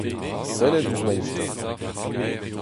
Sellit ouzh ma istor.